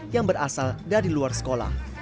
yang berasal dari luar sekolah